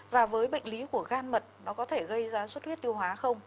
và với bệnh lý của gan mật nó có thể gây ra suất huyết tiêu hóa không